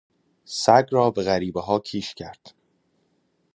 سگ را به غریبهها کیش کرد.